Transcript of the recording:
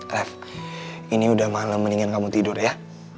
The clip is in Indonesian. rev ini udah malem mendingan kamu tidur ya